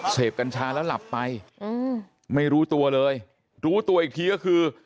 กัญชาแล้วหลับไปไม่รู้ตัวเลยรู้ตัวอีกทีก็คือ